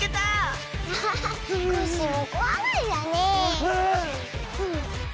アハハコッシーもこわがりだね。